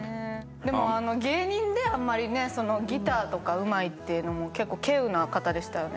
でも芸人であんまりねギターとかうまいっていうのも結構稀有な方でしたよね。